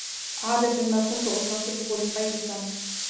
عادة ما كنت أصاحبه لصيد السمك.